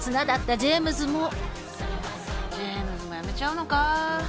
ジェームズも辞めちゃうのか。